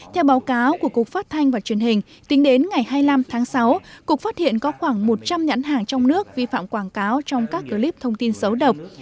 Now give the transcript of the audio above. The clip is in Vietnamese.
theo báo cáo của cục phát thanh và truyền hình tính đến ngày hai mươi năm tháng sáu cục phát hiện có khoảng một trăm linh nhãn hàng trong nước vi phạm quảng cáo trong các clip thông tin xấu độc